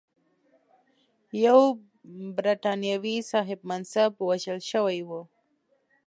یو برټانوي صاحب منصب وژل شوی و.